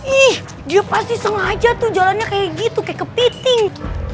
ih dia pasti sengaja tuh jalannya kayak gitu kayak kepiting